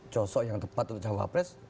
sosok yang tepat untuk jawab pres